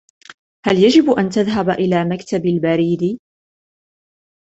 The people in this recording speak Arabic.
هل يجب أن تذهب إلى مكتب البريد ؟